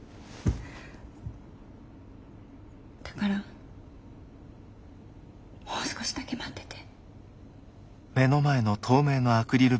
だからもう少しだけ待ってて。